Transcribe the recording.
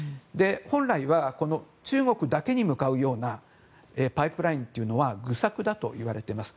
本来は中国だけに向かうようなパイプラインというのは愚策だといわれています。